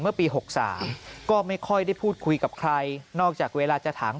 เมื่อปี๖๓ก็ไม่ค่อยได้พูดคุยกับใครนอกจากเวลาจะถาม